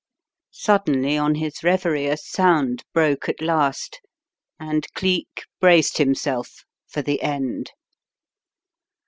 Suddenly on his reverie a sound broke at last and Cleek braced himself for the end.